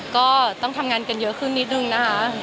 ก็ต้องทำงานกันเยอะขึ้นนิดนึงนะคะ